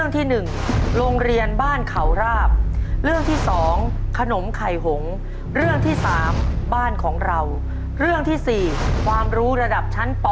ก็ตาเขาเรียกบ้านของเราแล้วครับ